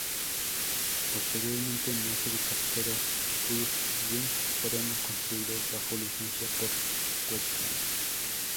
Posteriormente, más helicópteros Whirlwind fueron construidos bajo licencia por Westland.